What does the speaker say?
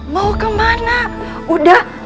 mau kemana udah